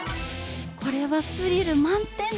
これはスリル満点ですね！